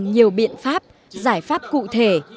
đã có nhiều biện pháp giải pháp cụ thể